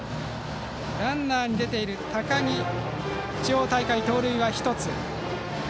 ランナーに出ている高木は地方大会で盗塁１つ。